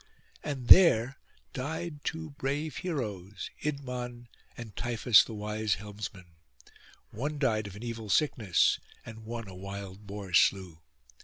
And there died two brave heroes, Idmon and Tiphys the wise helmsman: one died of an evil sickness, and one a wild boar slew.